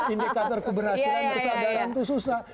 indikator keberhasilan kesadaran itu susah